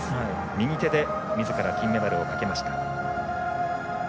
右手でみずから金メダルをかけました。